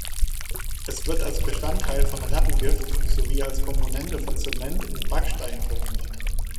Es wird als Bestandteil von Rattengift sowie als Komponente von Zement und Backsteinen verwendet.